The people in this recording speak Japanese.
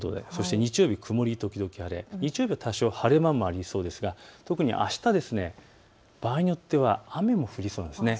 日曜日、曇り時々晴れ、多少、晴れ間もありそうですが特にあした、場合によっては雨も降りそうです。